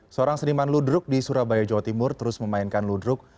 seorang seniman ludruk di surabaya jawa timur terus memainkan ludruk